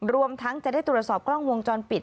รวมทั้งจะได้ตรวจสอบกล้องวงจรปิด